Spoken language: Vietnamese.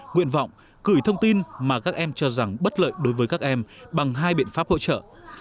nguyện vọng gửi thông tin mà các em cho rằng bất lợi đối với các em bằng hai biện pháp hỗ trợ